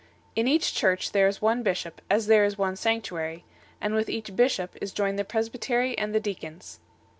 In each Church there is one bishop as there is one sanctuary, and with each bishop is joined the presbytery and the deacons 7